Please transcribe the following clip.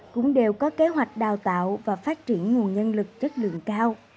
cũng đều có kế hoạch đào tạo và phát triển nguồn nhân lực chất lượng cao